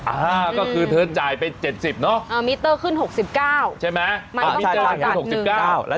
อ่าก็คือเธอจ่ายไปเจ็ดสิบเนาะ